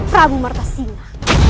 prabu merta singa